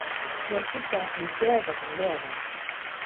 Gorputza luzea eta sendoa da.